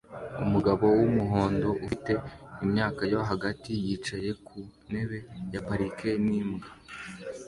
Umugabo wumuhondo ufite imyaka yo hagati yicaye ku ntebe ya parike n'imbwa